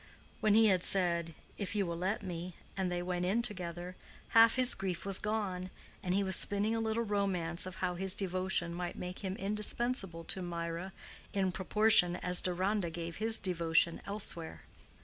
When he had said, "If you will let me," and they went in together, half his grief was gone, and he was spinning a little romance of how his devotion might make him indispensable to Mirah in proportion as Deronda gave his devotion elsewhere.